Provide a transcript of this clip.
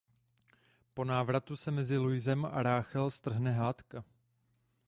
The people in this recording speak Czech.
Po návratu se mezi Louisem a Rachel strhne hádka.